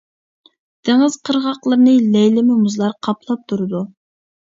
دېڭىز قىرغاقلىرىنى لەيلىمە مۇزلار قاپلاپ تۇرىدۇ.